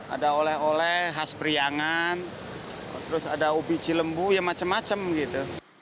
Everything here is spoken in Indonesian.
ada oleh oleh khas priangan terus ada ubi cilembu ya macam macam gitu